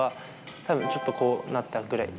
たぶんちょっとこうなったぐらい。